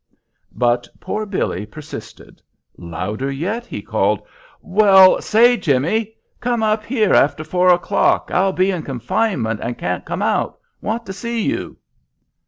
But poor Billy persisted. Louder yet he called, "Well say Jimmy! Come up here after four o'clock. I'll be in confinement, and can't come out. Want to see you."